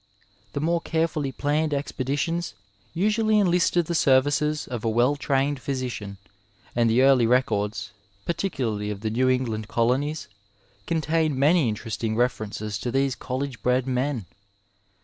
The more oarefolly plamied expeditions usually enlisted the services of a well tiained physician, and the early records, particularly of the New England colonies, contain many interesting references to these coUege bred men.